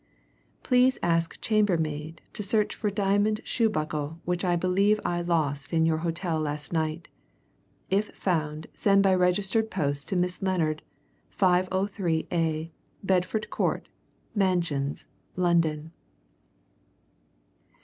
"Please ask chambermaid to search for diamond shoe buckle which I believe I lost in your hotel last night. If found send by registered post to Miss Lennard, 503_a_, Bedford Court Mansions, London."